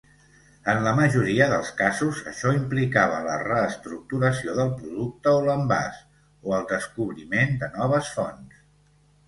En la majoria dels casos, això implicava la reestructuració del producte o l'envàs, o el descobriment de noves fonts.